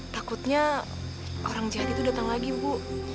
takutnya orang jahat itu datang lagi bu